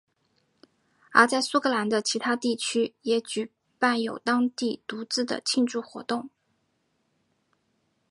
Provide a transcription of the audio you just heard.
而在苏格兰的其他地区也举办有当地独自的庆祝活动。